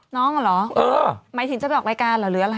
นางเหรอมายถิ่นจะไปออกรายการหรืออะไร